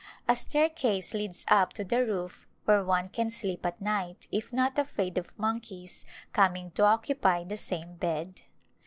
A staircase leads up to the roof where one can sleep at night if not afraid of monkeys coming to occupy the same bed.